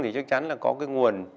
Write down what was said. thì chắc chắn là có cái nguồn